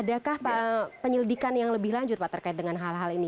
jadi penyelidikan yang lebih lanjut pak terkait dengan hal hal ini